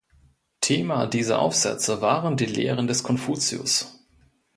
Thema dieser Aufsätze waren die Lehren des Konfuzius.